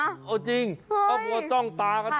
อ้าวจริงเพราะตัวจ้องตา